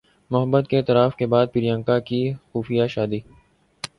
محبت کے اعتراف کے بعد پریانکا کی خفیہ شادی